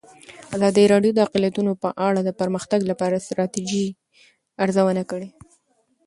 ازادي راډیو د اقلیتونه په اړه د پرمختګ لپاره د ستراتیژۍ ارزونه کړې.